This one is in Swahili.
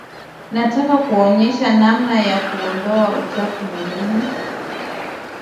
Nataka kuwaonyesha namna ya kuondoa uchafu mwilini